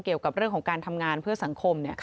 เกี่ยวกับเรื่องของการทำงานเพื่อสังคม